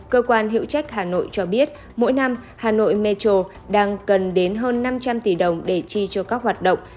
cơ quan hiệu trách hà nội cho biết mỗi năm hà nội metro đang cần đến hơn năm trăm linh tỷ đồng để chi cho các hoạt động